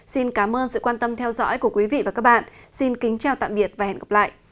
xin cảm ơn sự quan tâm theo dõi của quý vị và các bạn xin kính chào tạm biệt và hẹn gặp lại